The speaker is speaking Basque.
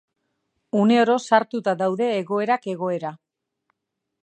Uneoro sartuta daude egoerak egoera.